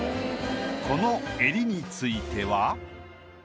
この襟については。